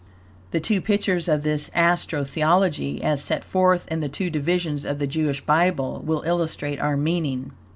The two pictures of this Astro Theology, as set forth in the two divisions of the Jewish Bible, will illustrate our meaning.